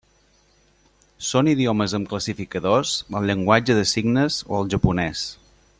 Són idiomes amb classificadors el llenguatge de signes o el japonès.